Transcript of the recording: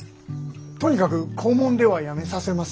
とにかく校門ではやめさせます。